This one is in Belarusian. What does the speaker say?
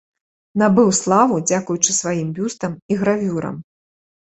Набыў славу дзякуючы сваім бюстам і гравюрам.